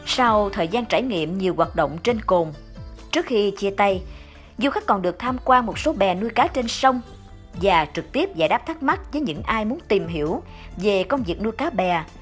sau thời gian trải nghiệm nhiều hoạt động trên cồn trước khi chia tay du khách còn được tham quan một số bè nuôi cá trên sông và trực tiếp giải đáp thắc mắc với những ai muốn tìm hiểu về công việc nuôi cá bè